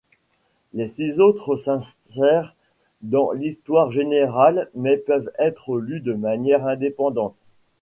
Les six autres s'insèrent dans l'histoire générale mais peuvent être lus de manière indépendante.